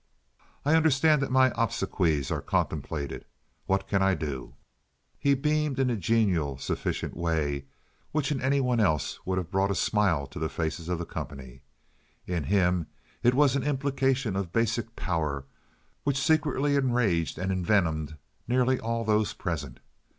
I understand that my obsequies are contemplated. What can I do?" He beamed in a genial, sufficient way, which in any one else would have brought a smile to the faces of the company. In him it was an implication of basic power which secretly enraged and envenomed nearly all those present.